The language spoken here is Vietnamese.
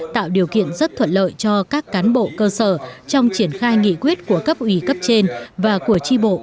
tạo điều kiện rất thuận lợi cho các cán bộ cơ sở trong triển khai nghị quyết của cấp ủy cấp trên và của tri bộ